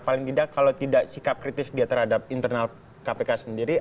paling tidak kalau tidak sikap kritis dia terhadap internal kpk sendiri